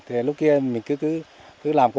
thì lúc kia mình cứ làm